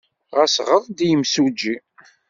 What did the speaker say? Ɣas ɣer-d i yemsujji.